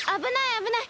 あぶない！